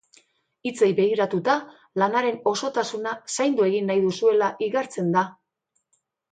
Hitzei begiratuta, lanaren osotasuna zaindu egin nahi duzuela igartzen da.